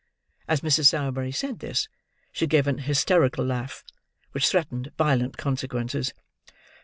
As Mrs. Sowerberry said this, she gave an hysterical laugh, which threatened violent consequences.